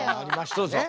そうそう。